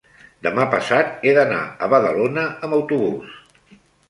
demà passat he d'anar a Badalona amb autobús.